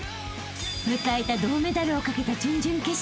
［迎えた銅メダルを懸けた準々決勝］